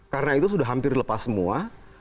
karena itu sudah hampir lepas semua